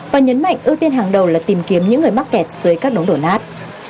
và nhấn mạnh ưu tiên hàng đầu là tìm kiếm những người mắc kẹt dưới các đống đổ nát